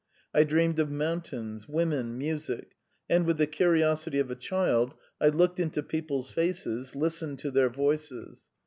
I dreamed of mountains, women, music, and, with the curiosity of a child, I looked into people's faces, listened to their voices.